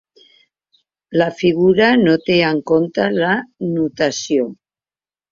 La figura no té en compte la nutació.